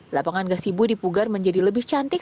lapangan gasi bu dipugar menjadi lebih cantik